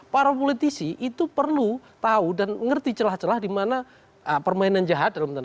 para politisi itu perlu tahu dan mengerti celah celah di mana permainan jahat